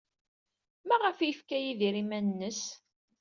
Maɣef ay yefka Yidir iman-nnes?